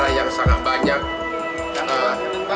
darah yang sangat banyak